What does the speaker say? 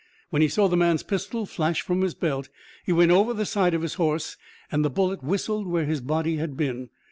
When he saw the man's pistol flash from his belt he went over the side of his horse and the bullet whistled where his body had been.